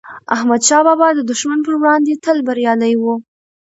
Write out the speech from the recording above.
احمدشاه بابا د دښمن پر وړاندی تل بریالي و.